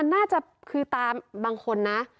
น่าจะคือตามบางคนนะ